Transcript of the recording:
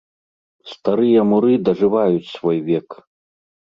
Старыя муры дажываюць свой век.